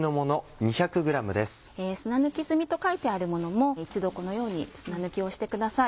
砂抜き済みと書いてあるものも一度このように砂抜きをしてください。